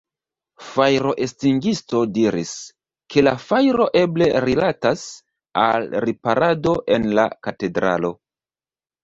Fajroestingisto diris, ke la fajro eble rilatas al riparado en la katedralo.